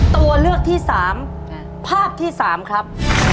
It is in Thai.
ตัวเลือกที่สามภาพที่สามครับ